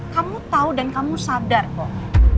kamu tahu dan kamu sadar kok